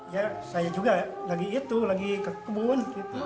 ya saya juga lagi itu lagi ke kebun